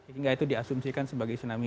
hingga itu diasumsikan sebagai tsunami